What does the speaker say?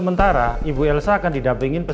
padahal dia ketemu nobi